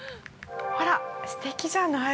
◆ほら、すてきじゃない？